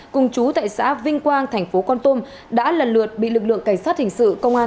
cùng chú tại xã vinh quang thành phố con tum đã lần lượt bị lực lượng cảnh sát hình sự công an